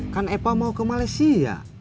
kan eva mau ke malaysia